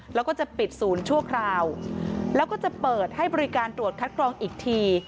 แล้วก็จะปิดศูนย์ชั่วคราวแล้วก็จะเปิดให้บริการตรวจคัดกรองอีกที